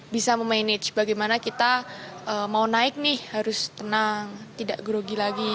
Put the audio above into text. bisa memanage bagaimana kita mau naik nih harus tenang tidak grogi lagi